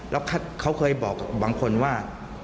แล้วเขาเคยบอกบางคนว่า